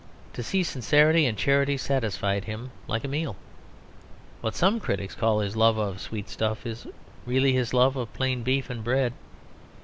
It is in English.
To see sincerity and charity satisfied him like a meal. What some critics call his love of sweet stuff is really his love of plain beef and bread.